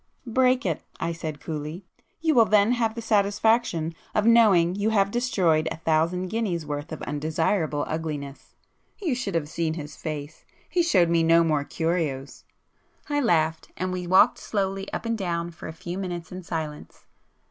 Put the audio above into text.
'Break it,'—I said coolly—'You will then have the satisfaction of knowing you have destroyed a thousand guineas' worth of undesirable ugliness.' You should have seen his face! He showed me no more curios!" I laughed, and we walked slowly up and down for a few minutes in silence.